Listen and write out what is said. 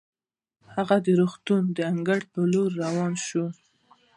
هغه د روغتون د انګړ په لورې روانه شوه.